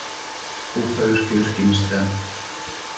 Uffe yski yskimistään.